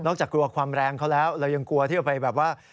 กลัวความแรงเขาแล้วเรายังกลัวที่จะไปแบบว่า